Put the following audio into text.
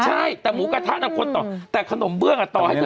ใช่แต่หมูกระทะน่ะคนต่อแต่ขนมเบื้องอ่ะต่อให้เธอ